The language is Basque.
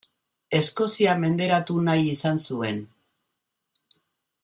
Eskozia menderatu nahi izan zuen.